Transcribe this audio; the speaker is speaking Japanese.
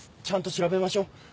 ちゃんと調べましょう。